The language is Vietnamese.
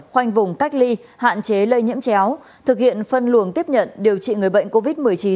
khoanh vùng cách ly hạn chế lây nhiễm chéo thực hiện phân luồng tiếp nhận điều trị người bệnh covid một mươi chín